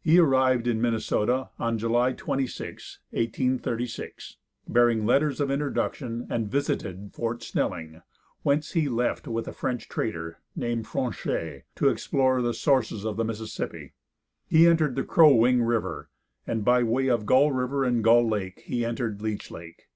He arrived in Minnesota on July 26, 1836, bearing letters of introduction, and visited Fort Snelling, whence he left with a French trader, named Fronchet, to explore the sources of the Mississippi. He entered the Crow Wing river, and by the way of Gull river and Gull lake he entered Leech lake.